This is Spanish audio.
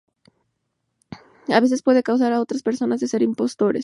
A veces pueden acusar a otras personas de ser impostores.